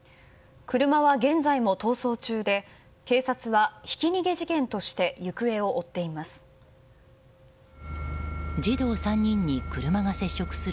車は現在も逃走中で警察は、ひき逃げ事件として行方を追っています。